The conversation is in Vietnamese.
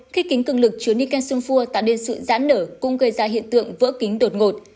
khi kính cưng lực chứa niken sunfur tạo nên sự giãn nở cũng gây ra hiện tượng vỡ kính đột ngột